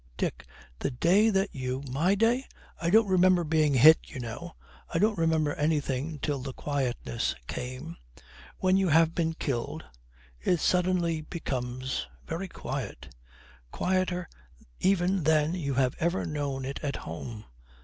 'Dick, the day that you ' 'My day? I don't remember being hit, you know. I don't remember anything till the quietness came. When you have been killed it suddenly becomes very quiet; quieter even than you have ever known it at home.